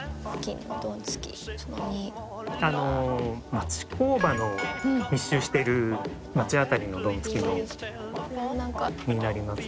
「町工場の密集してる街辺りのドンツキになります」